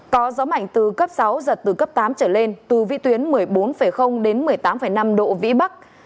có gió mạnh từ cấp sáu giật từ cấp tám trở lên tù vị tuyến một mươi bốn đến một mươi tám năm độ vĩ bắc